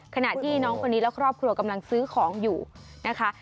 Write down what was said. ขณะที่น้องคนนี้และครอบครัวกำลังซื้อของอยู่นะคะ